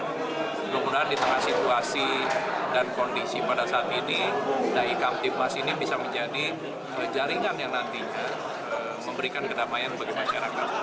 mudah mudahan di tengah situasi dan kondisi pada saat ini dai kamtipmas ini bisa menjadi jaringan yang nantinya memberikan kedamaian bagi masyarakat